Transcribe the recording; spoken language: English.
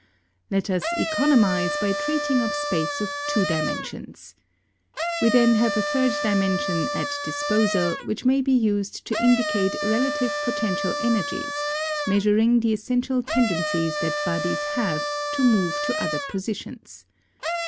Let us economize by treating of space of two dimen sions. We then have a third dimension at disposal, which may be used to indicate relative potential energies, measuring the essential tendencies that bodies have, to move to other positions.